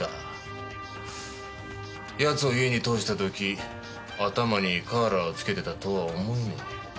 奴を家に通した時頭にカーラーつけてたとは思えねぇ。